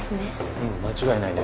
うん間違いないね。